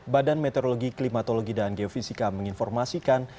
badan meteorologi klimatologi dan geofisika menginformasikan